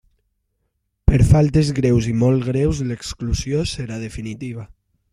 Per faltes greus i molt greus l'exclusió, serà definitiva.